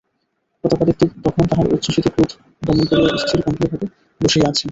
প্রতাপাদিত্য তখন তাঁহার উচ্ছ্বসিত ক্রোধ দমন করিয়া স্থির গম্ভীর ভাবে বসিয়া আছেন।